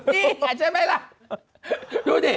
นี่ไงใช่ไหมล่ะดูดิ